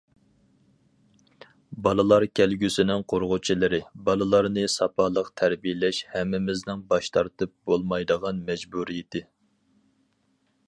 بالىلار كەلگۈسىنىڭ قۇرغۇچىلىرى، بالىلارنى ساپالىق تەربىيەلەش ھەممىمىزنىڭ باش تارتىپ بولمايدىغان مەجبۇرىيىتى.